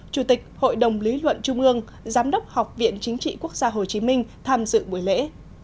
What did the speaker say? chủ tịch hội đồng lý luận trung ương giám đốc học viện chính trị quốc gia hồ chí minh tham dự buổi lễ